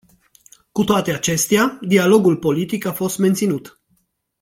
Cu toate acestea, dialogul politic a fost menținut.